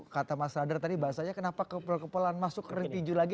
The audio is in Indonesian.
kata mas radar tadi bahasanya kenapa kepel kepelan masuk ke ring tinju lagi